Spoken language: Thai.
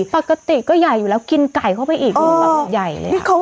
ปกติก็ใหญ่อยู่แล้วกินไก่เข้าไปอีกมันแบบใหญ่เลย